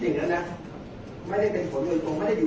แต่ว่าไม่มีปรากฏว่าถ้าเกิดคนให้ยาที่๓๑